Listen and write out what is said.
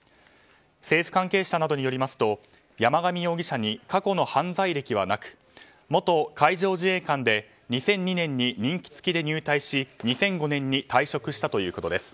政府関係者などによりますと山上容疑者に過去の犯罪歴はなく元海上自衛官で、２００２年に任期付きで入隊し、２００５年に退職したということです。